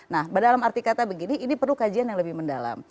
nah dalam arti kata begini ini perlu kajian yang lebih mendalam